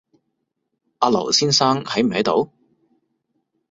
阿劉先生喺唔喺度